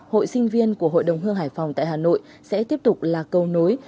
hội sinh viên của hội đồng hương hải phòng tại hà nội sẽ tiếp tục là câu nối